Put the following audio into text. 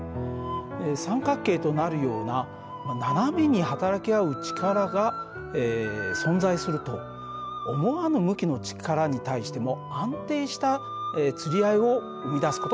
三角形となるような斜めに働き合う力が存在すると思わぬ向きの力に対しても安定したつり合いを生み出す事ができるんです。